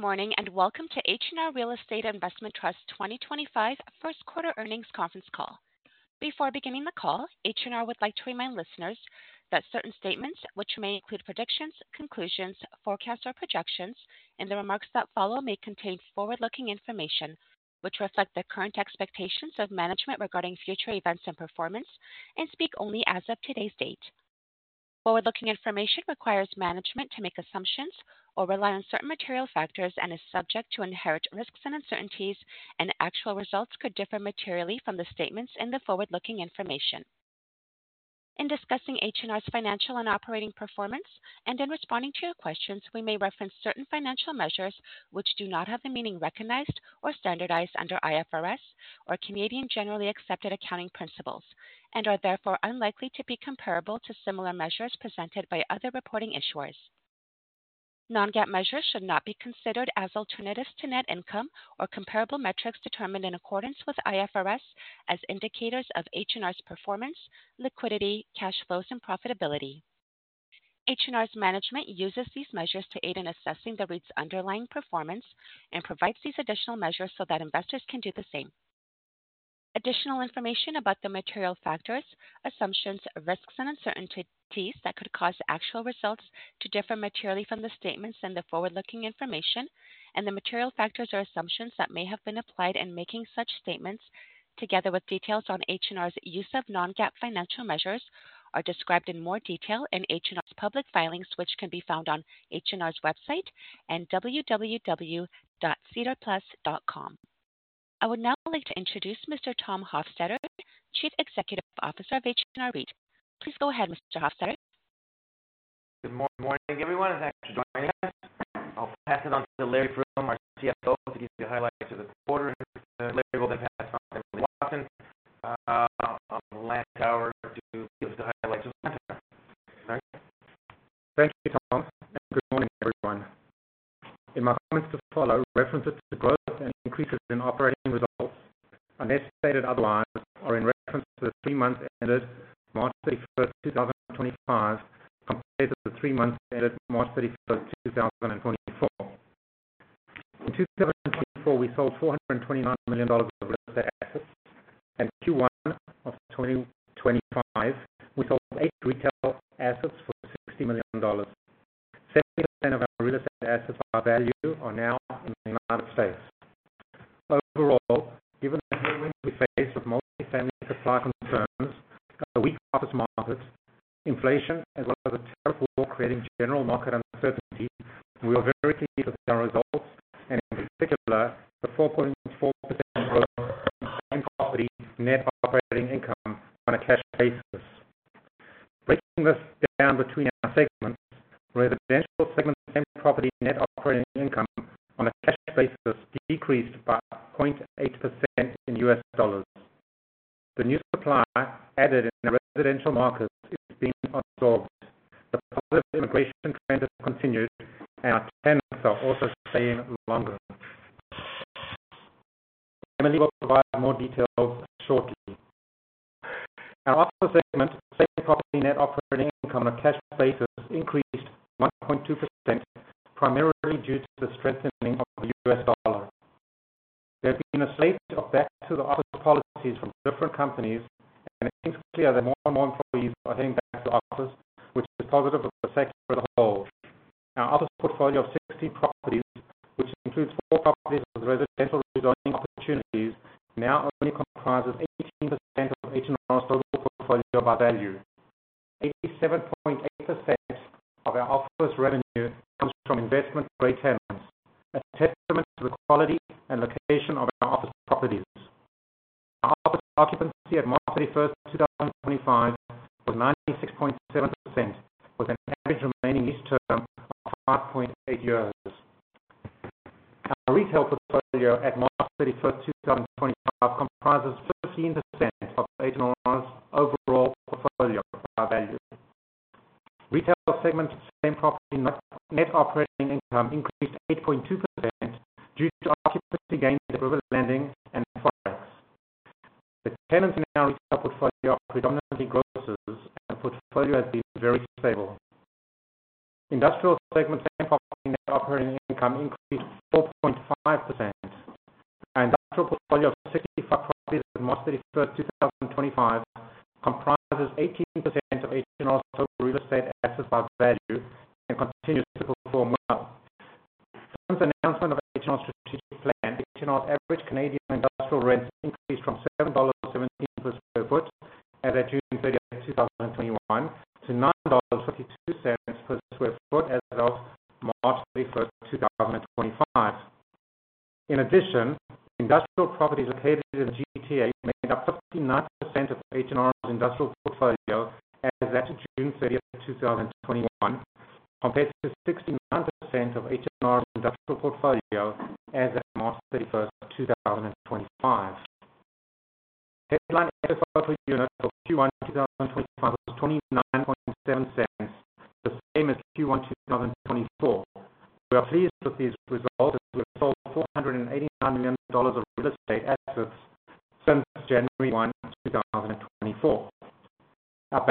Good morning and welcome to H&R Real Estate Investment Trust 2025 First Quarter Earnings Conference Call. Before beginning the call, H&R would like to remind listeners that certain statements, which may include predictions, conclusions, forecasts, or projections, and the remarks that follow may contain forward-looking information which reflect the current expectations of management regarding future events and performance, and speak only as of today's date. Forward-looking information requires management to make assumptions or rely on certain material factors and is subject to inherent risks and uncertainties, and actual results could differ materially from the statements in the forward-looking information. In discussing H&R's financial and operating performance and in responding to your questions, we may reference certain financial measures which do not have the meaning recognized or standardized under IFRS or Canadian Generally Accepted Accounting Principles, and are therefore unlikely to be comparable to similar measures presented by other reporting issuers. Non-GAAP measures should not be considered as alternatives to net income or comparable metrics determined in accordance with IFRS as indicators of H&R's performance, liquidity, cash flows, and profitability. H&R's management uses these measures to aid in assessing the REIT's underlying performance and provides these additional measures so that investors can do the same. Additional information about the material factors, assumptions, risks, and uncertainties that could cause actual results to differ materially from the statements in the forward-looking information, and the material factors or assumptions that may have been applied in making such statements, together with details on H&R's use of non-GAAP financial measures, are described in more detail in H&R's public filings, which can be found on H&R's website and www.sedarplus.com. I would now like to introduce Mr. Tom Hofstedter, Chief Executive Officer of H&R REIT. Please go ahead, Mr. Hofstedter. Good morning, everyone. Thanks for joining. I'll pass it on to Larry Froom, our CFO, to give the highlights of the quarter. Larry will then pass on to Emily Watson last hour to give the highlights of the semester. Thank you, Tom. Good morning, everyone. In my comments to follow, references to growth and increases in operating results unless stated otherwise are in reference to the three-month standard March 31st, 2025, compared to the three months standard March 31st 2024. In 2024, we sold $429 million of real estate assets, and Q1 of 2025, we sold eight retail assets for $60 million. 70% of our real estate assets are valued or now in the United States. Overall, given the year-end we face with multifamily supply concerns, weak office markets, inflation, as well as a terrible war creating general market uncertainty, we are very keen to see our results and, in particular, the 4.4% growth in property net operating income on a cash basis. Breaking this down between our segments, where the cash flow segment and property net operating income on a cash basis decreased by 0.8% in U.S. dollars. The new supply added in the residential markets is being absorbed. The positive immigration trend has continued, and our trends are also staying longer. Emily will provide more details shortly. Our office segment, property net operating income on a cash basis, increased 1.2%, primarily due to the strengthening of the U.S. dollar. There have been a slate of back-to-the-office policies from different companies, and it seems clear that more and more employees are heading back to the office, which is positive for the sector as a whole. Our office portfolio of 60 properties, which includes four properties as residential resorting opportunities, now only comprises 18% of H&R's total portfolio by value. 87.8% of our office revenue comes from investment retainments, a testament to the quality and location of our office properties. Our office occupancy at March 31st 2025, was 96.7%, with an average remaining lease term of 5.8 years. Our Retail portfolio at March 31st, 2025, comprises 15% of H&R's overall portfolio by value. Retail segment same property net operating income increased 8.2% due to occupancy gains at Riverlanding and Flats. The tenants in our retail portfolio predominantly grocers, and the portfolio has been very stable. Industrial segment same property net operating income increased 4.5%, and the industrial portfolio of 65 properties at March 31st 2025, comprises 18% of H&R's total real estate assets by value and continues to perform well. Since the announcement of H&R's strategic plan, H&R's average Canadian industrial rents increased from 7.17 per sq ft as of June 30, 2021, to C AD 9.42 per sq ft as of March 31st 2025. In addition, industrial properties located in GTA made up 69% of H&R's industrial portfolio as of June 30, 2021, compared to 69% of H&R's industrial portfolio as of March 31st 2025. Headline FFO per unit for Q1 2025 was $0.297, the same as Q1 2024. We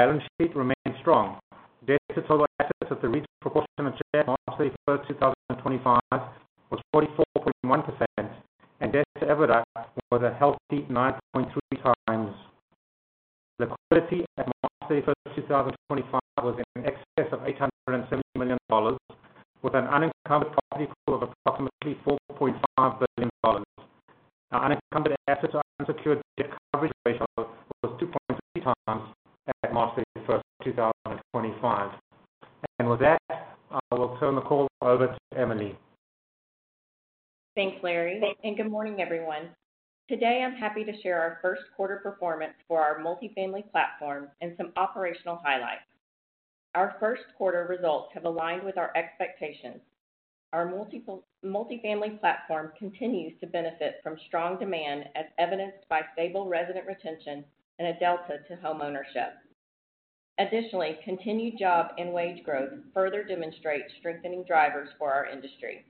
are pleased to see the result, as we have sold $489 million of real estate assets since January 1, 2021. Our balance sheet remained strong. Debt to total assets of the REIT's proportion of shares on March 31st 2025, was 44.1%, and debt to average was a healthy 9.3x. Liquidity at March 31st 2025, was in excess of $870 million, with an unencumbered equity pool of approximately $4.5 billion. The unencumbered assets unsecured debt coverage ratio was 2.3x at March 31st 2025. I will turn the call over to Emily. Thanks, Larry. Good morning, everyone. Today, I'm happy to share our first quarter performance for our multifamily platform and some operational highlights. Our first quarter results have aligned with our expectations. Our multifamily platform continues to benefit from strong demand, as evidenced by stable resident retention and a delta to homeownership. Additionally, continued job and wage growth further demonstrate strengthening drivers for our industry.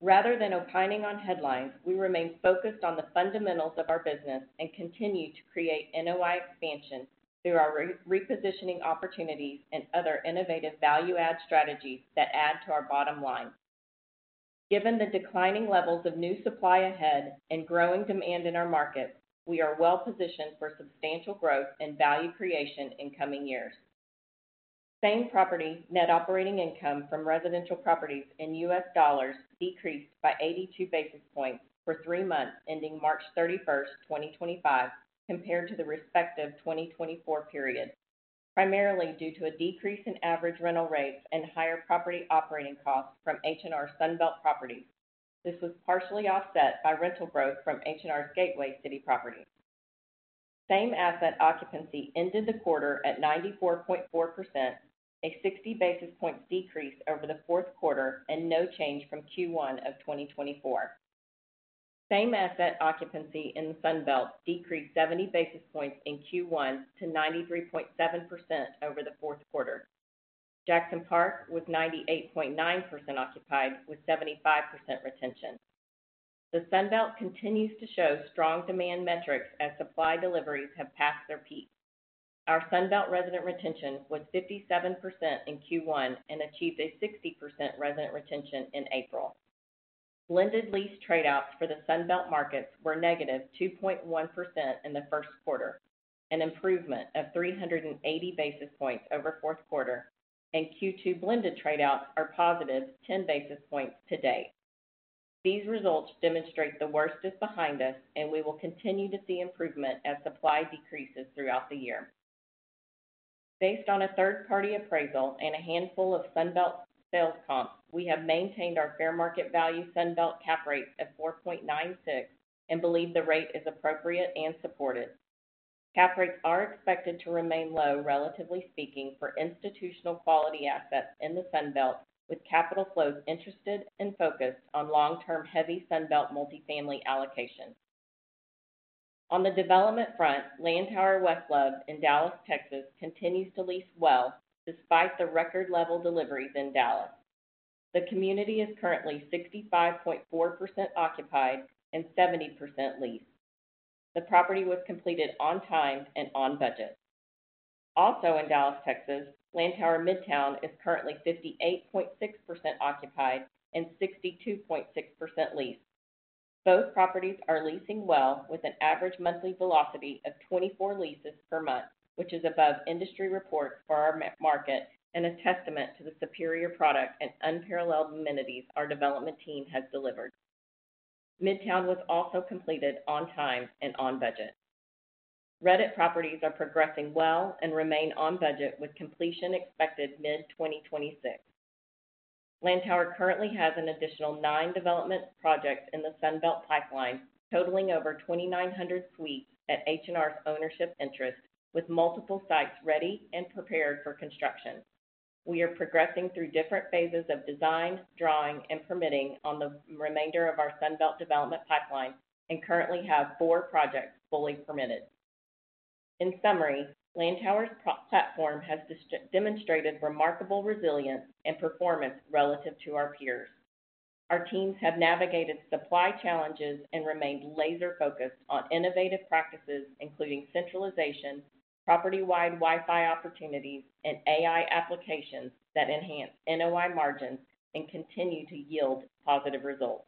Rather than opining on headlines, we remain focused on the fundamentals of our business and continue to create NOI expansion through our repositioning opportunities and other innovative value-add strategies that add to our bottom line. Given the declining levels of new supply ahead and growing demand in our markets, we are well positioned for substantial growth and value creation in coming years. Same property net operating income from residential properties in U.S .dollars decreased by 82 basis points for the three months ending March 31st 2025, compared to the respective 2024 period, primarily due to a decrease in average rental rates and higher property operating costs from H&R Sunbelt properties. This was partially offset by rental growth from H&R's Gateway City properties. Same asset occupancy ended the quarter at 94.4%, a 60 basis points decrease over the fourth quarter and no change from Q1 of 2024. Same asset occupancy in Sunbelt decreased 70 basis points in Q1 to 93.7% over the fourth quarter. Jackson Park was 98.9% occupied with 75% retention. The Sunbelt continues to show strong demand metrics as supply deliveries have passed their peak. Our Sunbelt resident retention was 57% in Q1 and achieved a 60% resident retention in April. Blended lease trade-offs for the Sunbelt markets were - 2.1% in the first quarter, an improvement of 380 basis points over fourth quarter, and Q2 blended trade-offs are +10 basis points to date. These results demonstrate the worst is behind us, and we will continue to see improvement as supply decreases throughout the year. Based on a third-party appraisal and a handful of Sunbelt sales comps, we have maintained our fair market value Sunbelt cap rates at 4.96% and believe the rate is appropriate and supported. Cap rates are expected to remain low, relatively speaking, for institutional quality assets in the Sunbelt, with capital flows interested and focused on long-term heavy Sunbelt multifamily allocation. On the development front, Land Tower West Love in Dallas, Texas, continues to lease well despite the record-level deliveries in Dallas. The community is currently 65.4% occupied and 70% leased. The property was completed on time and on budget. Also in Dallas, Texas, Land Tower Midtown is currently 58.6% occupied and 62.6% leased. Both properties are leasing well with an average monthly velocity of 24 leases per month, which is above industry reports for our market and a testament to the superior product and unparalleled amenities our development team has delivered. Midtown was also completed on time and on budget. Reddit properties are progressing well and remain on budget with completion expected mid-2026. Land Tower currently has an additional nine development projects in the Sunbelt pipeline, totaling over 2,900 suites at H&R's ownership interest, with multiple sites ready and prepared for construction. We are progressing through different phases of design, drawing, and permitting on the remainder of our Sunbelt development pipeline and currently have four projects fully permitted. In summary, Land Tower's platform has demonstrated remarkable resilience and performance relative to our peers. Our teams have navigated supply challenges and remained laser-focused on innovative practices, including centralization, property-wide Wi-Fi opportunities, and AI applications that enhance NOI margins and continue to yield positive results.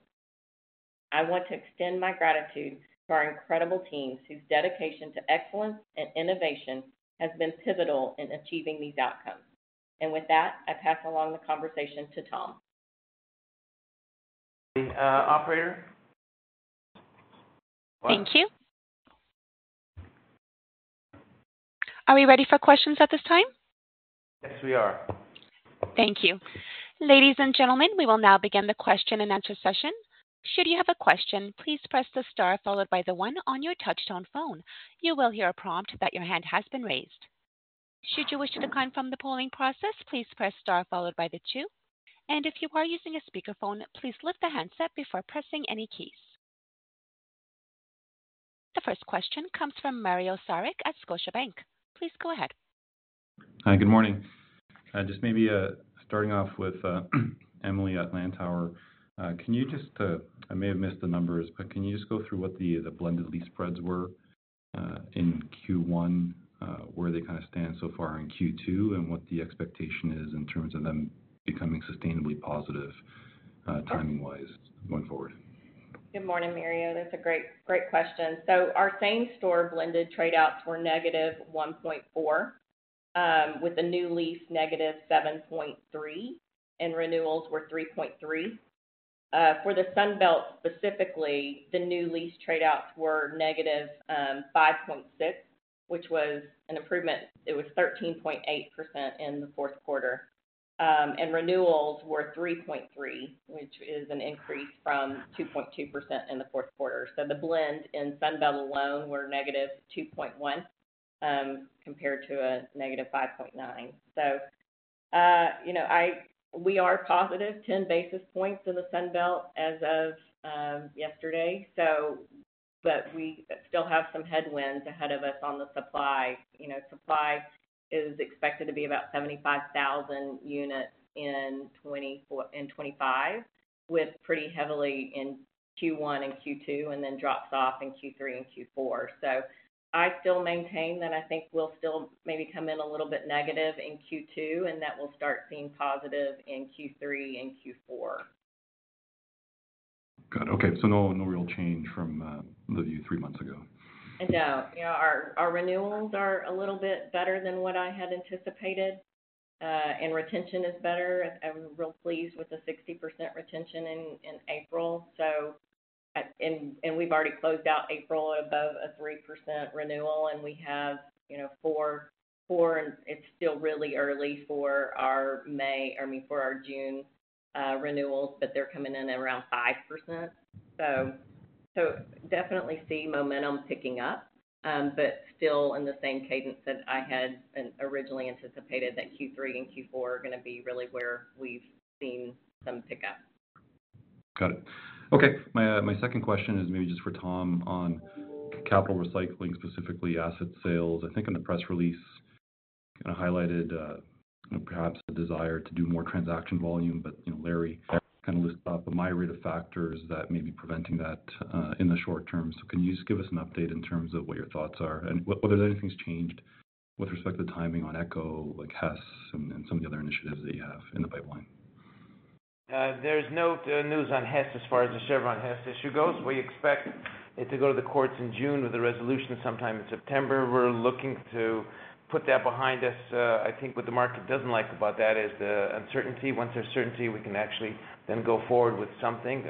I want to extend my gratitude to our incredible teams whose dedication to excellence and innovation has been pivotal in achieving these outcomes. I pass along the conversation to Tom. Operator. Thank you. Are we ready for questions at this time? Yes, we are. Thank you. Ladies and gentlemen, we will now begin the question and answer session. Should you have a question, please press the star followed by the one on your touch-tone phone. You will hear a prompt that your hand has been raised. Should you wish to decline from the polling process, please press star followed by the two. If you are using a speakerphone, please lift the handset before pressing any keys. The first question comes from Mario Saric at Scotiabank. Please go ahead. Hi, good morning. Just maybe starting off with Emily at Land Tower, can you just, I may have missed the numbers, but can you just go through what the blended lease spreads were in Q1, where they kind of stand so far in Q2, and what the expectation is in terms of them becoming sustainably positive timing-wise going forward? Good morning, Mario. That's a great, great question. Our same store blended trade-offs were -1.4%, with the new lease - 7.3%, and renewals were 3.3%. For the Sunbelt specifically, the new lease trade-offs were -5.6%, which was an improvement. It was 13.8% in the fourth quarter. Renewals were 3.3%, which is an increase from 2.2% in the fourth quarter. The blend in Sunbelt alone were -2.1% compared to -5.9%. We are +10 basis points in the Sunbelt as of yesterday. We still have some headwinds ahead of us on the supply. Supply is expected to be about 75,000 units in 2024 and 2025, with pretty heavily in Q1 and Q2, and then drops off in Q3 and Q4. I still maintain that I think we'll still maybe come in a little bit negative in Q2, and that we'll start seeing positive in Q3 and Q4. Got it. Okay. No real change from the view three months ago. I do not. Our renewals are a little bit better than what I had anticipated, and retention is better. I am real pleased with the 60% retention in April. We have already closed out April above a 3% renewal, and we have four, and it is still really early for our May, I mean, for our June renewals, but they are coming in around 5%. I definitely see momentum picking up, but still in the same cadence that I had originally anticipated that Q3 and Q4 are going to be really where we have seen some pickup. Got it. Okay. My second question is maybe just for Tom on capital recycling, specifically asset sales. I think on the press release, it kind of highlighted perhaps the desire to do more transaction volume, but Larry kind of listed up a myriad of factors that may be preventing that in the short term. Can you just give us an update in terms of what your thoughts are and whether anything's changed with respect to the timing on ECCO, like Hess, and some of the other initiatives that you have in the pipeline? There's no news on Hess as far as the Chevron Hess issue goes. We expect it to go to the courts in June with a resolution sometime in September. We're looking to put that behind us. I think what the market doesn't like about that is the uncertainty. Once there's certainty, we can actually then go forward with something.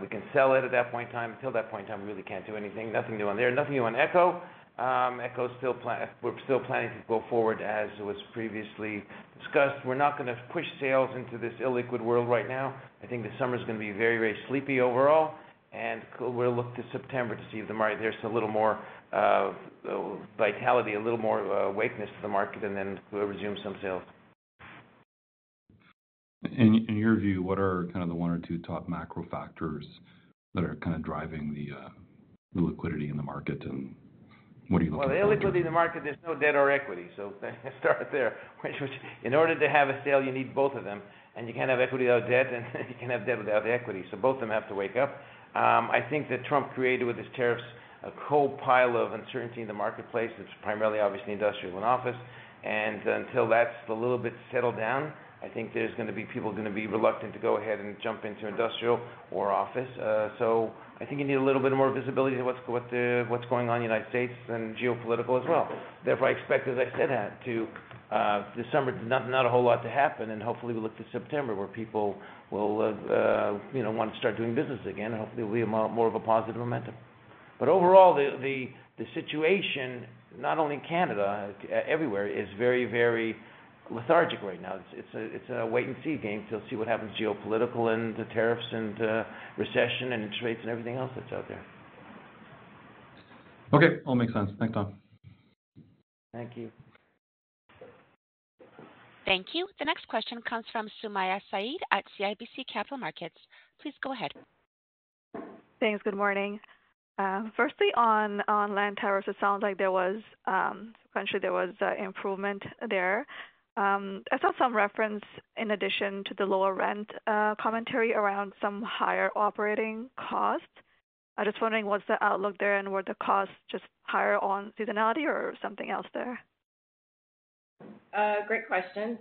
We can sell it at that point in time. Until that point in time, we really can't do anything. Nothing new on there. Nothing new on ECCO. ECCO, we're still planning to go forward as it was previously discussed. We're not going to push sales into this illiquid world right now. I think the summer is going to be very, very sleepy overall, and we'll look to September to see if there's a little more vitality, a little more wakeness to the market, and then resume some sales. In your view, what are kind of the one or two top macro factors that are kind of driving the liquidity in the market, and what do you look like? The illiquidity in the market, there's no debt or equity, so let's start there. In order to have a sale, you need both of them, and you can't have equity without debt, and you can't have debt without equity. Both of them have to wake up. I think that Trump created with his tariffs a co-pile of uncertainty in the marketplace that's primarily, obviously, industrial and office. Until that's a little bit settled down, I think there's going to be people going to be reluctant to go ahead and jump into industrial or office. I think you need a little bit more visibility to what's going on in the United States and geopolitical as well. Therefore, I expect, as I said, to the summer, not a whole lot to happen, and hopefully we look to September where people will want to start doing business again, and hopefully there'll be more of a positive momentum. Overall, the situation, not only in Canada, everywhere, is very, very lethargic right now. It's a wait-and-see game to see what happens to geopolitical and tariffs and recession and interest rates and everything else that's out there. Okay. All makes sense. Thanks, Tom. Thank you. Thank you. The next question comes from Sumayya Syed at CIBC Capital Markets. Please go ahead. Thanks. Good morning. Firstly, on Land Tower, it sounds like there was, actually, there was improvement there. I saw some reference in addition to the lower rent commentary around some higher operating costs. I am just wondering, what is the outlook there and were the costs just higher on seasonality or something else there? Great question.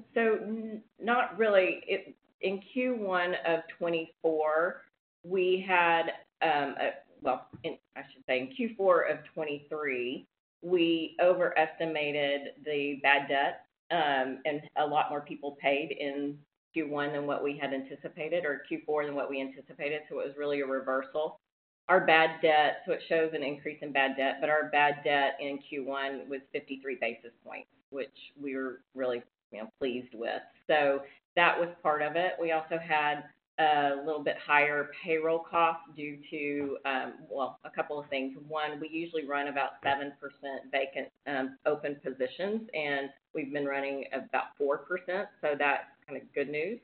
Not really. In Q1 of 2024, we had, I should say in Q4 of 2023, we overestimated the bad debt, and a lot more people paid in Q1 than what we had anticipated, or Q4 than what we anticipated. It was really a reversal. Our bad debt, it shows an increase in bad debt, but our bad debt in Q1 was 53 basis points, which we were really pleased with. That was part of it. We also had a little bit higher payroll costs due to a couple of things. One, we usually run about 7% open positions, and we have been running about 4%. That is kind of good news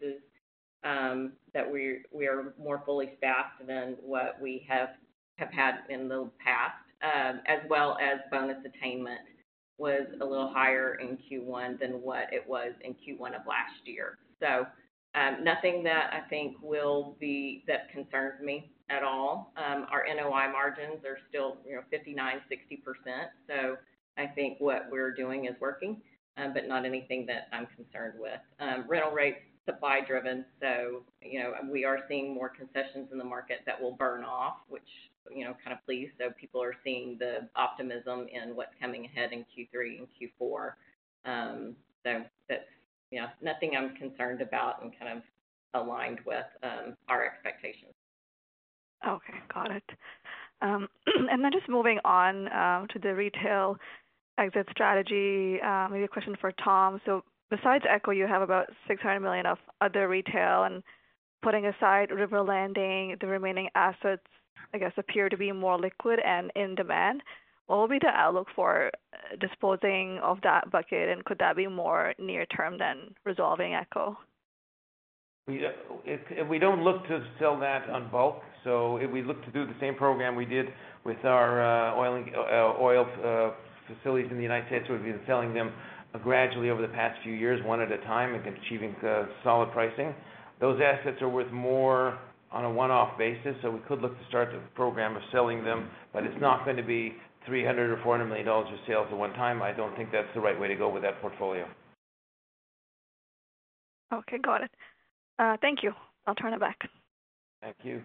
that we are more fully staffed than what we have had in the past, as well as bonus attainment was a little higher in Q1 than what it was in Q1 of last year. Nothing that I think will be that concerns me at all. Our NOI margins are still 59-60%. I think what we are doing is working, but not anything that I am concerned with. Rental rates are supply-driven, so we are seeing more concessions in the market that will burn off, which kind of pleases. People are seeing the optimism in what is coming ahead in Q3 and Q4. Nothing I am concerned about and kind of aligned with our expectations. Okay. Got it. Just moving on to the retail exit strategy, maybe a question for Tom. Besides ECCO, you have about $ 600 million of other retail, and putting aside Riverlanding, the remaining assets, I guess, appear to be more liquid and in demand. What will be the outlook for disposing of that bucket, and could that be more near-term than resolving ECCO? If we do not look to sell that on bulk, if we look to do the same program we did with our oil facilities in the United States, we have been selling them gradually over the past few years, one at a time, and achieving solid pricing. Those assets are worth more on a one-off basis, so we could look to start the program of selling them, but it is not going to be $ 300 million or $ 400 million of sales at one time. I do not think that is the right way to go with that portfolio. Okay. Got it. Thank you. I'll turn it back. Thank you.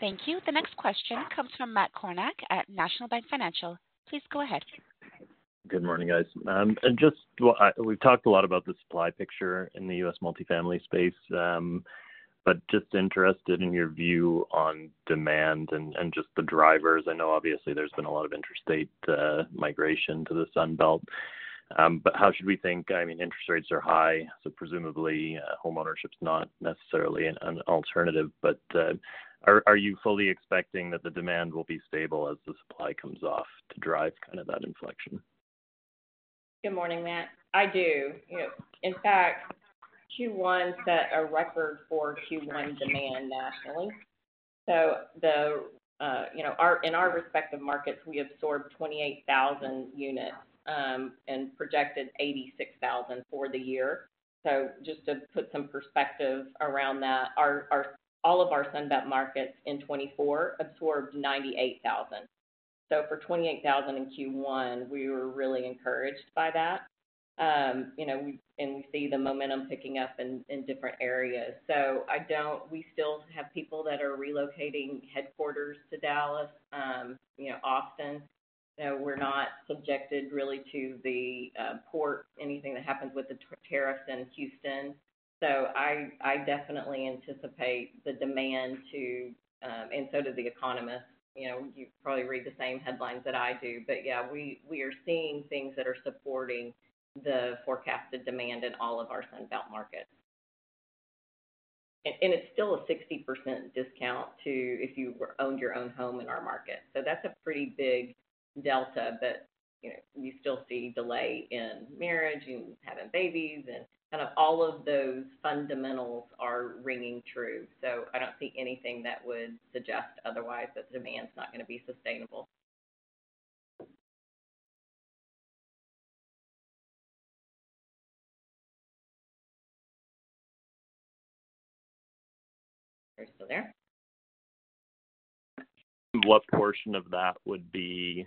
Thank you. The next question comes from Matt Kornack at National Bank Financial. Please go ahead. Good morning, guys. We've talked a lot about the supply picture in the U.S. multifamily space, but just interested in your view on demand and just the drivers. I know, obviously, there's been a lot of interstate migration to the Sunbelt, but how should we think? I mean, interest rates are high, so presumably homeownership's not necessarily an alternative, but are you fully expecting that the demand will be stable as the supply comes off to drive kind of that inflection? Good morning, Matt. I do. In fact, Q1 set a record for Q1 demand nationally. In our respective markets, we absorbed 28,000 units and projected 86,000 for the year. To put some perspective around that, all of our Sunbelt markets in 2024 absorbed 98,000. For 28,000 in Q1, we were really encouraged by that, and we see the momentum picking up in different areas. We still have people that are relocating headquarters to Dallas, Austin. We are not subjected really to the port, anything that happens with the tariffs in Houston. I definitely anticipate the demand to, and so do the economists. You probably read the same headlines that I do, but yeah, we are seeing things that are supporting the forecasted demand in all of our Sunbelt markets. It is still a 60% discount to if you owned your own home in our market. That's a pretty big delta, but you still see delay in marriage and having babies, and kind of all of those fundamentals are ringing true. I don't see anything that would suggest otherwise that the demand's not going to be sustainable. Are you still there? What portion of that would be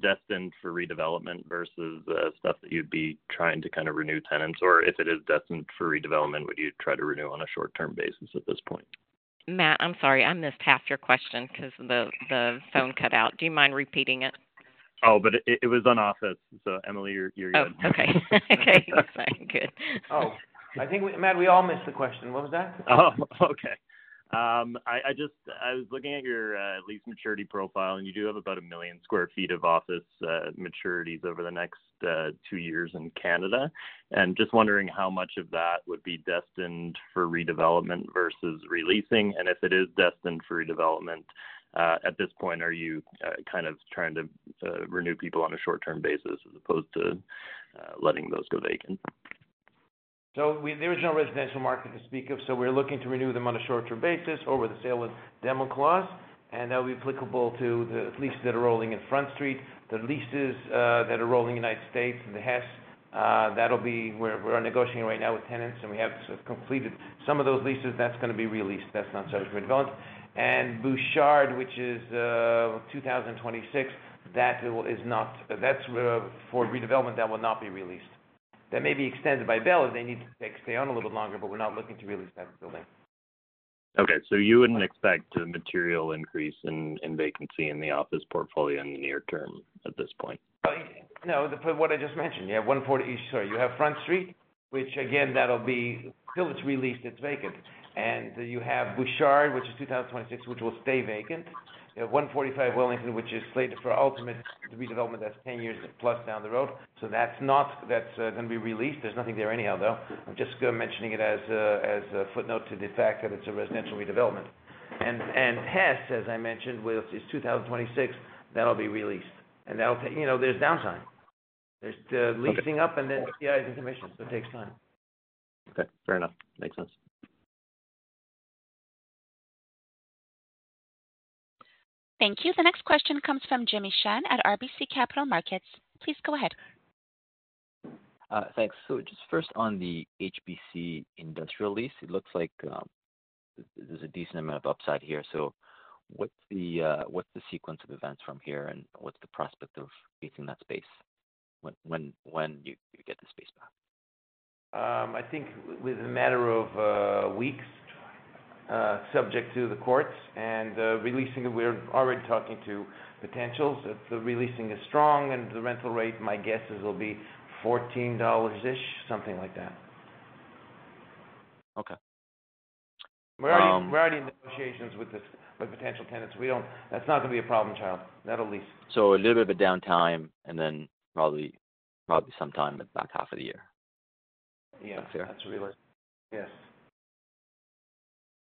destined for redevelopment versus the stuff that you'd be trying to kind of renew tenants? Or if it is destined for redevelopment, would you try to renew on a short-term basis at this point? Matt, I'm sorry. I missed half your question because the phone cut out. Do you mind repeating it? Oh, it was on office. Emily, you're good. Oh, okay. Okay. Good. Oh, I think, Matt, we all missed the question. What was that? Oh, okay. I was looking at your lease maturity profile, and you do have about 1 million sq ft of office maturities over the next two years in Canada. I am just wondering how much of that would be destined for redevelopment versus releasing. If it is destined for redevelopment, at this point, are you kind of trying to renew people on a short-term basis as opposed to letting those go vacant? There is no residential market to speak of. We are looking to renew them on a short-term basis or with a sale or demo clause. That will be applicable to the leases that are rolling in Front Street, the leases that are rolling in the United States, and the Hess. That is where we are negotiating right now with tenants. We have completed some of those leases. That is going to be released. That is not service redevelopment. Bouchard, which is 2026, is not for redevelopment. That will not be released. That may be extended by bail if they need to stay on a little bit longer, but we are not looking to release that building. Okay. You would not expect a material increase in vacancy in the office portfolio in the near term at this point? No. For what I just mentioned, you have one for each. Sorry. You have Front Street, which, again, that'll be till it's released, it's vacant. You have Bouchard, which is 2026, which will stay vacant. You have 145 Wellington, which is slated for ultimate redevelopment. That's 10 years plus down the road. That's not going to be released. There's nothing there anyhow, though. I'm just mentioning it as a footnote to the fact that it's a residential redevelopment. And Hess, as I mentioned, is 2026. That'll be released. There's downside. There's leasing up, and then CI is in remission, so it takes time. Okay. Fair enough. Makes sense. Thank you. The next question comes from Jimmy Shan at RBC Capital Markets. Please go ahead. Thanks. Just first on the HBC industrial lease, it looks like there's a decent amount of upside here. What's the sequence of events from here, and what's the prospect of leasing that space when you get the space back? I think within a matter of weeks, subject to the courts and releasing, we're already talking to potentials that the releasing is strong, and the rental rate, my guess is, will be $14-ish, something like that. Okay. We're already in negotiations with potential tenants. That's not going to be a problem, child. That'll lease. A little bit of a downtime and then probably some time in the back half of the year. Yeah. That's realistic. Yes.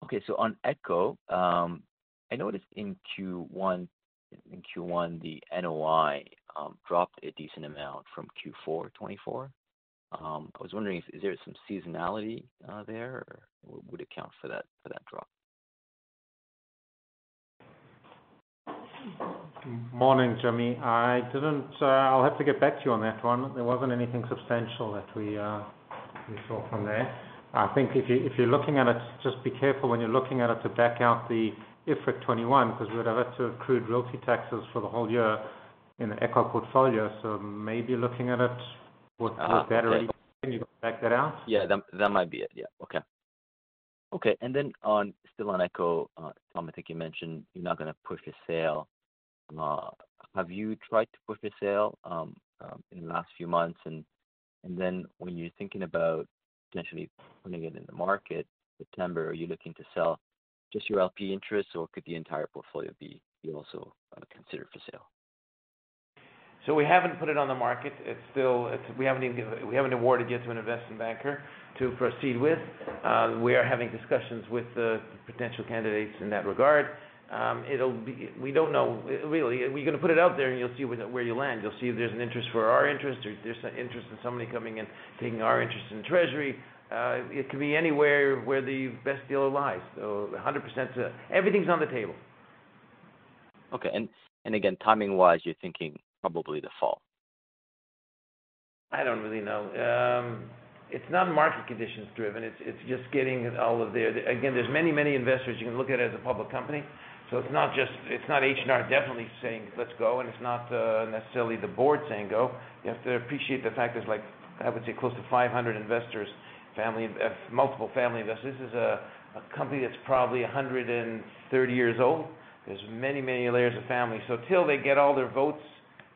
Okay. On ECCO, I noticed in Q1, the NOI dropped a decent amount from Q4 2024. I was wondering, is there some seasonality there, or would it account for that drop? Morning, Jimmy. I'll have to get back to you on that one. There wasn't anything substantial that we saw from there. I think if you're looking at it, just be careful when you're looking at it to back out the IFRIC 21 because we'd have had to accrue royalty taxes for the whole year in the ECCO portfolio. Maybe looking at it, what's better? Can you back that out? Yeah. That might be it. Yeah. Okay. Okay. Still on ECCO, Tom, I think you mentioned you're not going to push a sale. Have you tried to push a sale in the last few months? When you're thinking about potentially putting it in the market, September, are you looking to sell just your LP interests, or could the entire portfolio be also considered for sale? We have not put it on the market. We have not awarded yet to an investment banker to proceed with. We are having discussions with the potential candidates in that regard. We do not know, really. We are going to put it out there, and you will see where you land. You will see if there is an interest for our interest or there is interest in somebody coming and taking our interest in Treasury. It could be anywhere where the best deal lies. So 100%, everything is on the table. Okay. Again, timing-wise, you're thinking probably the fall? I don't really know. It's not market conditions-driven. It's just getting all of the—again, there's many, many investors. You can look at it as a public company. So it's not H&R definitely saying, "Let's go," and it's not necessarily the board saying, "Go." You have to appreciate the fact there's, I would say, close to 500 investors, multiple family investors. This is a company that's probably 130 years old. There's many, many layers of family. Till they get all their votes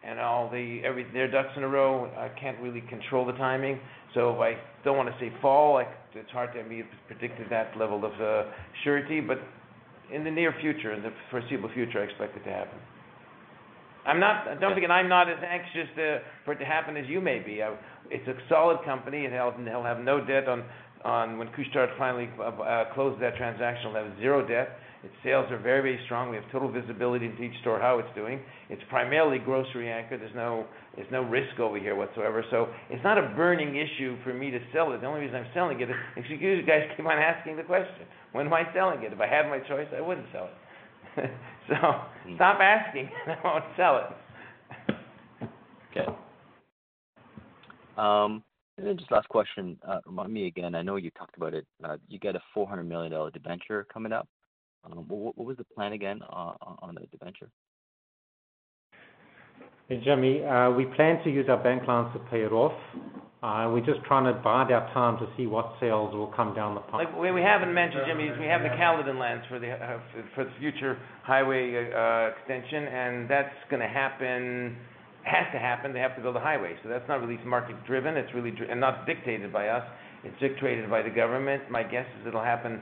and all their ducks in a row, I can't really control the timing. I don't want to say fall. It's hard to predict that level of surety, but in the near future, in the foreseeable future, I expect it to happen. I'm not thinking I'm not as anxious for it to happen as you may be. It's a solid company. It'll have no debt on when Bouchard finally closed that transaction, it'll have zero debt. Its sales are very, very strong. We have total visibility into each store, how it's doing. It's primarily grocery anchored. There's no risk over here whatsoever. It's not a burning issue for me to sell it. The only reason I'm selling it is, excuse me, guys, keep on asking the question. When am I selling it? If I had my choice, I wouldn't sell it. Stop asking, and I won't sell it. Okay. Just last question. Remind me again, I know you talked about it, you got a $400 million debenture coming up. What was the plan again on the debenture? Jimmy, we plan to use our bank loans to pay it off. We're just trying to buy that time to see what sales will come down the pipe. What we have not mentioned, Jimmy, is we have the Caledon lands for the future highway extension, and that is going to happen, has to happen. They have to build a highway. That is not really market-driven. It is not dictated by us. It is dictated by the government. My guess is it will happen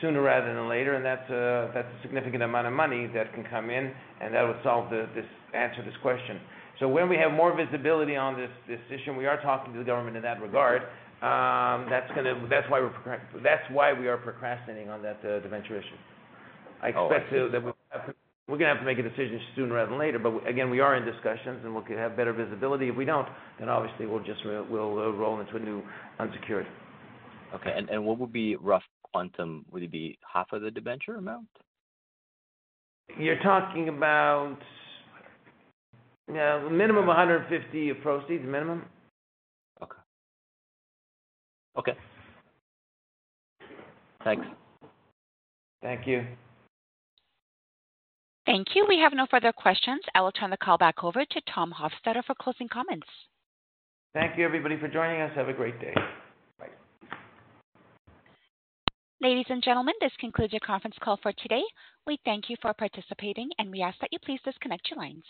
sooner rather than later, and that is a significant amount of money that can come in, and that would answer this question. When we have more visibility on this decision, we are talking to the government in that regard. That is why we are procrastinating on that debenture issue. I expect that we are going to have to make a decision sooner rather than later, but again, we are in discussions, and we will have better visibility. If we do not, then obviously we will just roll into a new unsecured. Okay. What would be rough quantum? Would it be half of the debenture amount? You're talking about a minimum of $150 million proceeds, a minimum. Okay. Okay. Thanks. Thank you. Thank you. We have no further questions. I will turn the call back over to Tom Hofstedter for closing comments. Thank you, everybody, for joining us. Have a great day. Ladies and gentlemen, this concludes your conference call for today. We thank you for participating, and we ask that you please disconnect your lines.